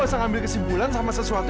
atau jangan jangan kamu ada apa apa sama dia